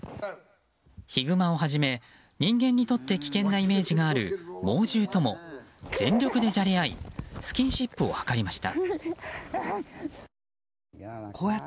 ヒグマをはじめ、人間にとって危険なイメージがある猛獣とも全力でじゃれ合いスキンシップを図りました。